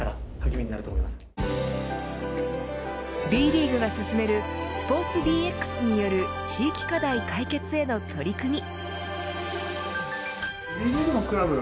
Ｂリーグが進めるスポーツＤＸによる地域課題解決への取り組み。